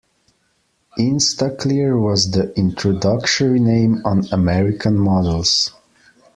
"Instaclear" was the introductory name on American models.